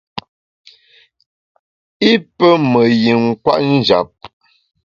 I pe me yin kwet njap.